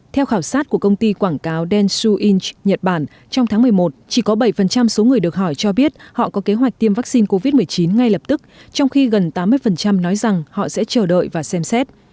theo khảo sát của công ty quảng cáo densu inch nhật bản trong tháng một mươi một chỉ có bảy số người được hỏi cho biết họ có kế hoạch tiêm vaccine covid một mươi chín ngay lập tức trong khi gần tám mươi nói rằng họ sẽ chờ đợi và xem xét